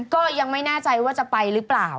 ก็ยังไม่แน่ใจว่าจะไปหรือเปล่า